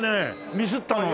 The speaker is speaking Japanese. ミスったのが。